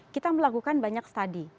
kita melakukan banyak study